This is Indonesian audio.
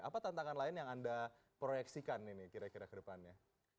apa tantangan lain yang anda proyeksikan ini kira kira ke depannya